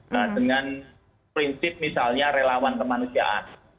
nah dengan prinsip misalnya relawan kemanusiaan